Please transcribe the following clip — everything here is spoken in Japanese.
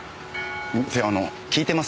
ってあの聞いてます？